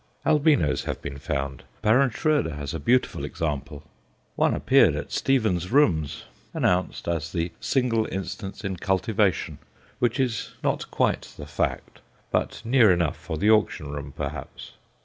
Albinos have been found; Baron Schroeder has a beautiful example. One appeared at Stevens' Rooms, announced as the single instance in cultivation which is not quite the fact, but near enough for the auction room, perhaps.